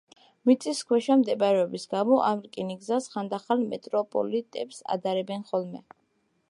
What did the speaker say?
მიწისქვეშა მდებარეობის გამო ამ რკინიგზას ხანდახან მეტროპოლიტენს ადარებენ ხოლმე.